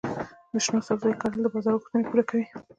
د شنو سبزیو کرل د بازار غوښتنې پوره کوي.